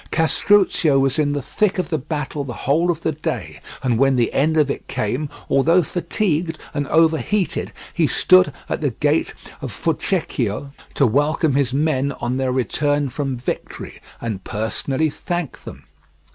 Castruccio was in the thick of the battle the whole of the day; and when the end of it came, although fatigued and overheated, he stood at the gate of Fucecchio to welcome his men on their return from victory and personally thank them.